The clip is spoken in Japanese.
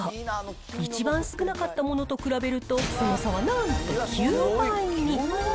一番少なかったものと比べると、その差はなんと９倍に。